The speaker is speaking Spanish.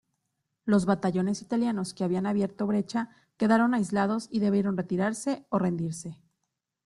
Los batallones italianos que habían abierto brecha quedaron aislados y debieron retirarse o rendirse.